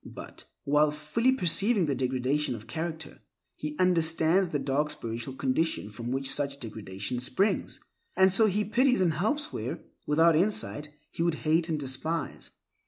But, while fully perceiving the degradation of character, he understands the dark spiritual condition from which such degradation springs, and so he pities and helps where, without insight, he would hate and despise.